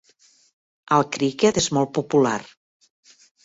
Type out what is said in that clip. El criquet és molt popular.